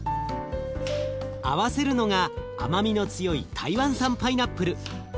合わせるのが甘みの強い台湾産パイナップル。